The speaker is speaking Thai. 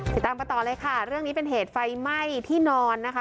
ติดตามกันต่อเลยค่ะเรื่องนี้เป็นเหตุไฟไหม้ที่นอนนะคะ